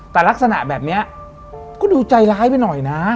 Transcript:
แต่ลักษณะแบบนี้ก็ดูใจร้ายไปหน่อยนะ